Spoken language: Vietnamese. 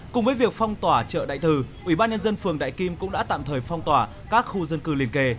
cùng với việc phong tỏa chợ đại tử ubnd phường đại kim cũng đã tạm thời phong tỏa các khu dân cư liên kề